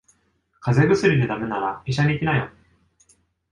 風邪薬で駄目なら医者に行きなよ。